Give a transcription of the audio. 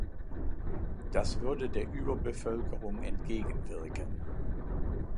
Das würde der Überbevölkerung entgegenwirken.